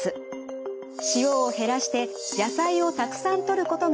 塩を減らして野菜をたくさんとることが大切です。